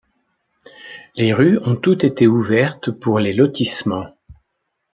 Les rues ont toutes été ouvertes pour les lotissements.